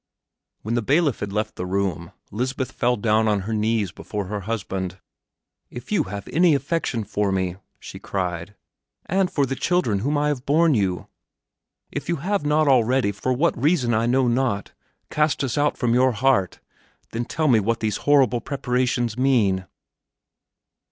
When the bailiff had left the room, Lisbeth fell down on her knees before her husband. "If you have any affection for me," she cried, "and for the children whom I have borne you; if you have not already, for what reason I know not, cast us out from your heart, then tell me what these horrible preparations mean!"